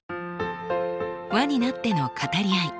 輪になっての語り合い。